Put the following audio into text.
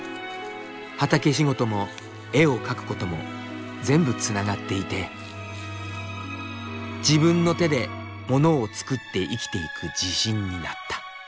畑仕事も絵を描くことも全部つながっていて自分の手でものを作って生きていく自信になった。